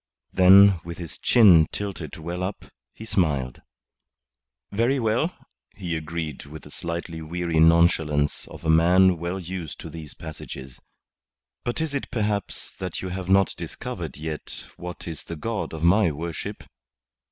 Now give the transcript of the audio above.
Then, with his chin tilted well up, he smiled. "Very well," he agreed with the slightly weary nonchalance of a man well used to these passages. "But is it perhaps that you have not discovered yet what is the God of my worship?